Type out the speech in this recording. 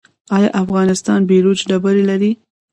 آیا افغانستان بیروج ډبرې لري؟